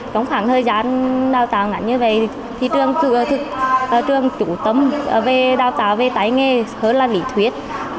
trong khoảng thời gian đào tạo ngắn như vậy thì trường chủ tâm về đào tạo về tay nghề hơn là lý thuyết